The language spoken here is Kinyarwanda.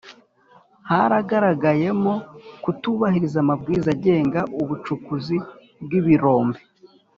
haragaragayemo kutubahiriza amabwiriza agenga ubucukuzi bw ibirombe